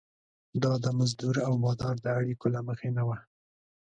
دا د مزدور او بادار د اړیکو له مخې نه وه.